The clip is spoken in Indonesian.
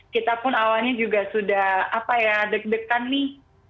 kita pun awalnya juga sudah apa ya deg degan nih